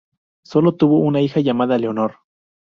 Solo tuvo una hija, llamada Leonor.